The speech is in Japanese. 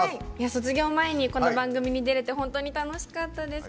卒業前にこの番組に出れて本当に楽しかったです。